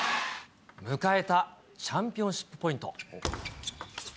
迎えたチャンピオンシップポイント。